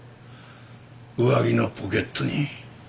上着のポケットに。